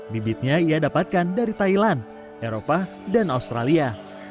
bibitnya ia dapatkan dari thailand eropa dan australia